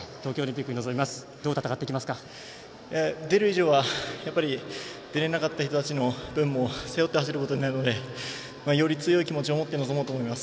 出る以上は出られなかった人たちの分も背負って走ることになるのでより強い気持ちを持って臨もうと思います。